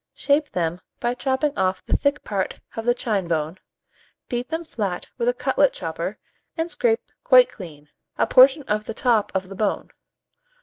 Shape them by chopping off the thick part of the chine bone; beat them flat with a cutlet chopper, and scrape quite clean, a portion of the top of the bone.